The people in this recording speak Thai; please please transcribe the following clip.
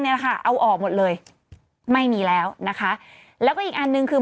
เนี่ยแหละค่ะเอาออกหมดเลยไม่มีแล้วนะคะแล้วก็อีกอันหนึ่งคือ